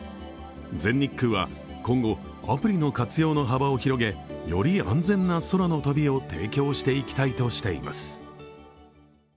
全日空は今後、アプリの活用の幅を広げより安全な空の旅を提供していきたいとしています。